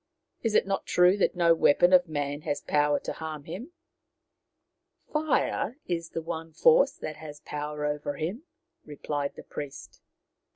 " Is it not true that no weapon of man has power to harm him ?"" Fire is the one force that has power over him," replied the priest.